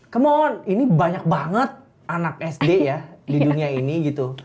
kemohon ini banyak banget anak sd ya di dunia ini gitu